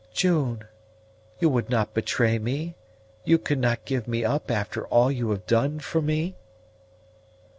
"June! you would not betray me you could not give me up after all you have done for me?"